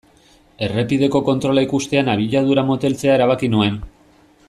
Errepideko kontrola ikustean abiadura moteltzea erabaki nuen.